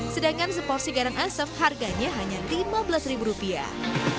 sedangkan seporsi garang asep harganya hanya lima belas ribu rupiah